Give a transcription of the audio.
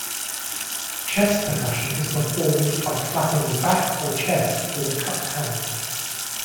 Chest percussion is performed by clapping the back or chest with a cupped hand.